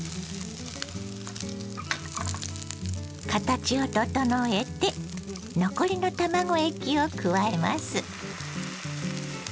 形を整えて残りの卵液を加えます。